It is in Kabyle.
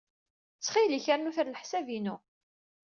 Ttxil-k, rnu-t ɣer leḥsab-inu.